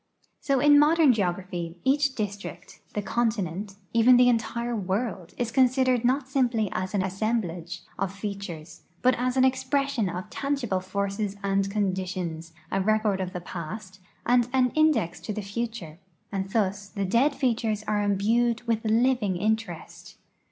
So in modern geograj)!!}'' each district, the continent, even the entire world is considered not simply as an assemblage of feat ures. but as an expression of tangible forces and conditions, a record of the [>ast, and an index to the future, and thus the dead features are imbued with living interest.